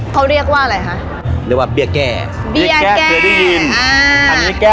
เขาเรียกว่าอะไรคะ